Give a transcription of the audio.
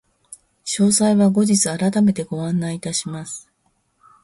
詳細は後日改めてご案内いたします。